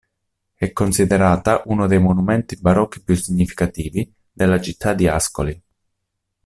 È considerata uno dei monumenti barocchi più significativi della città di Ascoli.